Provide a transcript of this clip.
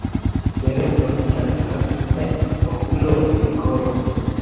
Belecon taksas ne okulo sed koro.